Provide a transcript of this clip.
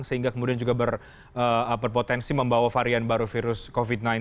sehingga kemudian juga berpotensi membawa varian baru virus covid sembilan belas